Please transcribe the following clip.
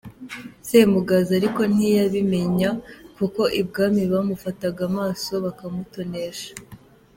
Semugaza ariko ntiyabimenya, kuko ibwami bamufataga ku maso bakamutonesha.